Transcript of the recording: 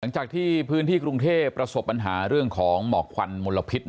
หลังจากที่พื้นที่กรุงเทพประสบปัญหาเรื่องของหมอกควันมลพิษ